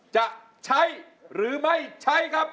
จะใช้หรือไม่ใช้ครับ